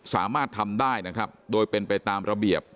สามารถทำได้นะครับโดยเป็นไปตามระเบียบ